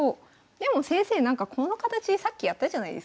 でも先生この形さっきやったじゃないですか。